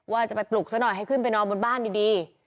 ว่าจะไปปลุกซะหน่อยให้ขึ้นไปนอนบนบ้านดี